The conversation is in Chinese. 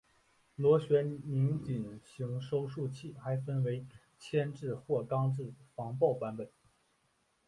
螺旋拧紧型收束器还分为铅制或钢制防爆版本。